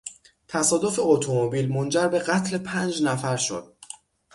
تصادف اتومبیل منجر به قتل پنج نفر شد.